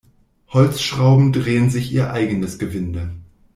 Holzschrauben drehen sich ihr eigenes Gewinde.